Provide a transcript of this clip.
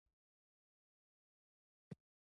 د سرحدونو وزارت قبایل اداره کوي